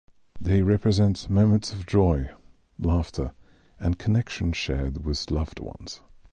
They represent moments of joy, laughter, and connection shared with loved ones.